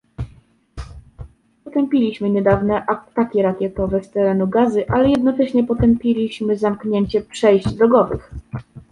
Potępiliśmy niedawne ataki rakietowe z terenu Gazy, ale jednocześnie potępiliśmy zamknięcie przejść drogowych